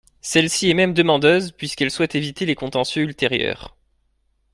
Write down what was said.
Celle-ci est même demandeuse, puisqu’elle souhaite éviter les contentieux ultérieurs.